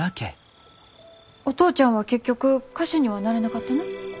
お父ちゃんは結局歌手にはなれなかったの？